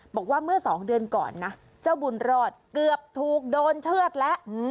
บอกว่าเมื่อสองเดือนก่อนนะเจ้าบุญรอดเกือบถูกโดนเชื่อดแล้ว